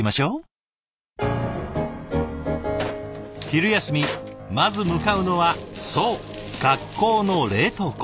昼休みまず向かうのはそう学校の冷凍庫。